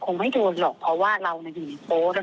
เรื่องนี้ทีมข่าวได้โทรศัพท์ไปสอบถามเจ้าหน้าที่วัดเทวราชกุญชรนะครับ